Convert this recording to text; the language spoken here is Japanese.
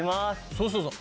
そうそうそう。